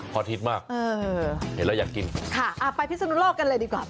พอทิศมากเห็นแล้วอยากกินค่ะไปพิษนุโลกกันเลยดีกว่า